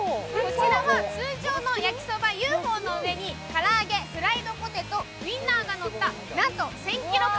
こちらは通常の焼そばＵ．Ｆ．Ｏの上に唐揚げ、フライドポテト、ウィンナーがのった、なんと１０００